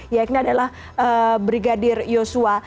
ini adalah brigadir yosua